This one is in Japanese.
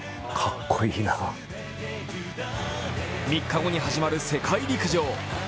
３日後に始まる世界陸上。